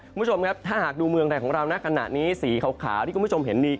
คุณผู้ชมครับถ้าหากดูเมืองไทยของเรานะขณะนี้สีขาวที่คุณผู้ชมเห็นนี่